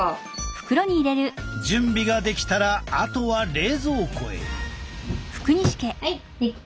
準備ができたらあとは冷蔵庫へ。